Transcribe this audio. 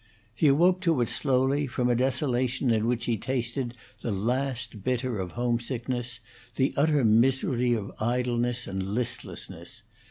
He awoke to it slowly, from a desolation in which he tasted the last bitter of homesickness, the utter misery of idleness and listlessness.